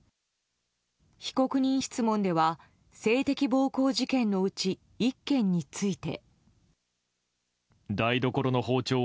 被告人質問では性的暴行事件のうち１件について。